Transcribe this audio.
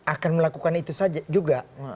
akan melakukan itu saja juga